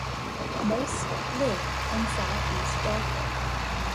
Most live in southeast Darfur.